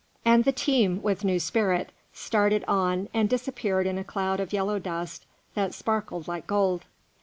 And the team, with new spirit, started on and disappeared in a cloud of yellow dust that sparkled like gold.